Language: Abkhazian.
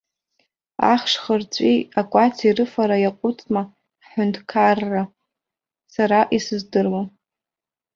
Ахш-хырҵәи акәаци рыфара иаҟәыҵма ҳҳәынҭқарра, сара исыздыруам.